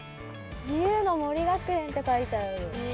「自由の森学園」って書いてある。